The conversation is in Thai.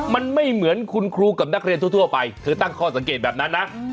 มันไม่เหมือนคุณครูกับนักเรียนทั่วไปเธอตั้งข้อสังเกตแบบนั้นนะ